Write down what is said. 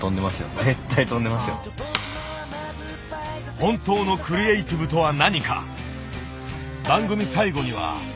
本当のクリエイティブとは何か。